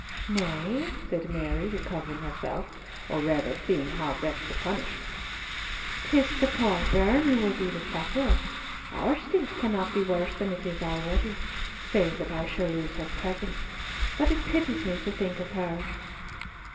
"Nay," said Mary, recovering herself, or rather seeing how best to punish, "'tis the poor bairn who will be the sufferer. Our state cannot be worse than it is already, save that I shall lose her presence, but it pities me to think of her."